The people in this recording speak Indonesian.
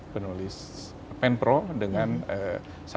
penulis penpro dengan penulis penjualan